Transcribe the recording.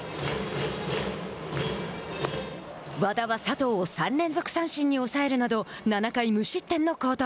和田は佐藤を３連続三振に抑えるなど７回無失点の好投。